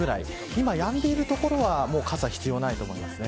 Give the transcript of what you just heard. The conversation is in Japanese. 今やんでいる所はもう傘、必要ないと思います。